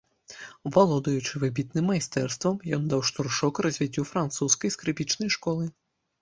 Валодаючы выбітным майстэрствам, ён даў штуршок развіццю французскай скрыпічнай школы.